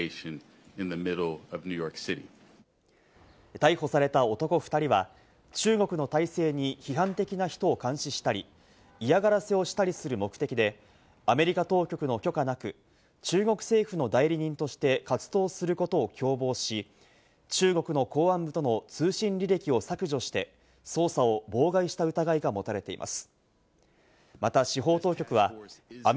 逮捕された男２人は中国の体制に批判的な人を監視したり、嫌がらせをしたりする目的でアメリカ当局の許可なく中国政府の代理人として活動することを共謀し、中国の公安部との通信履歴を削除して捜査を妨害した疑いが持たれています。